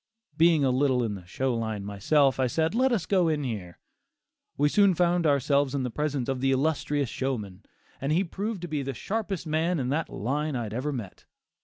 Being a little in the "show line" myself, I said "let us go in here." We soon found ourselves in the presence of the illustrious showman, and he proved to be the sharpest man in that line I had ever met.